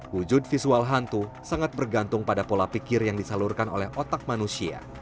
wujud visual hantu sangat bergantung pada pola pikir yang disalurkan oleh otak manusia